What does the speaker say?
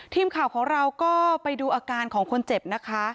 ทีมข่าวของเราก็ไปดูอาการของคนเจ็บนะคะ